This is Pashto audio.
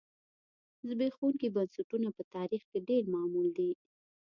زبېښونکي بنسټونه په تاریخ کې ډېر معمول دي.